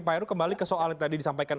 pak heru kembali ke soal yang tadi disampaikan